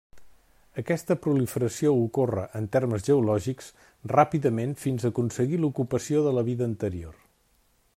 Aquesta proliferació ocorre, en termes geològics, ràpidament fins a aconseguir l'ocupació de la vida anterior.